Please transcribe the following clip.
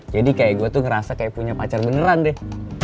jadi kayak gue tuh ngerasa kayak punya pacar beneran deh